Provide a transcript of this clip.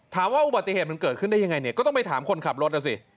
ถามว่าอุบัติเหตุมันเกิดขึ้นได้ยังไงเนี่ยก็ต้องไปถามคนขับรถนะสิ